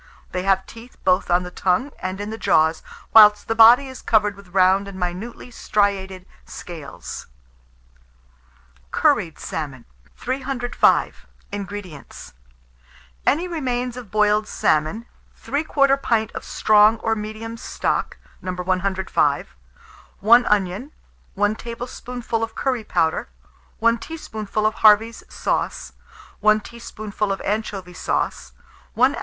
They have teeth both on the tongue and in the jaws, whilst the body is covered with round and minutely striated scales. CURRIED SALMON. 305. INGREDIENTS. Any remains of boiled salmon, 3/4 pint of strong or medium stock (No. 105), 1 onion, 1 tablespoonful of curry powder, 1 teaspoonful of Harvey's sauce, 1 teaspoonful of anchovy sauce, 1 oz.